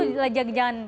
jangan jangan jangan